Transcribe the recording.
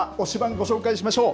ご紹介しましょう。